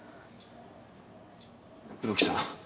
黒木さん